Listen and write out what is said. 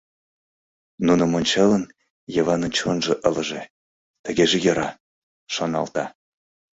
Нуным ончалын, Йыванын чонжо ылыже, «тыгеже йӧра», — шоналта.